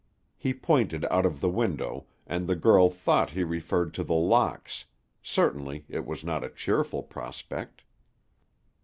He pointed out of the window, and the girl thought he referred to The Locks; certainly it was not a cheerful prospect.